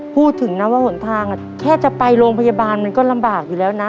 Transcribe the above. พูดถึงนะว่าหนทางแค่จะไปโรงพยาบาลมันก็ลำบากอยู่แล้วนะ